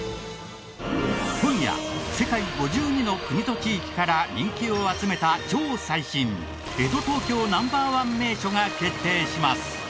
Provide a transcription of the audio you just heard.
今夜世界５２の国と地域から人気を集めた超最新江戸・東京Ｎｏ．１名所が決定します。